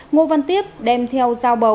ngô văn tiếp đem theo giao bầu